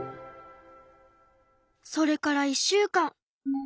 それから１週間。